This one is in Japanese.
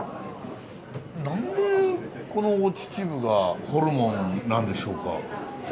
何でこの秩父がホルモンなんでしょうか？